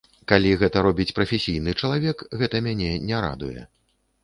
Калі гэта робіць прафесійны чалавек, гэта мяне не радуе.